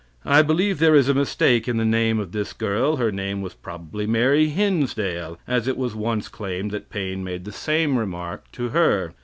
I believe there is a mistake in the name of this girl. Her name was probably Mary Hinsdale, as it was once claimed that Paine made the same remark to her.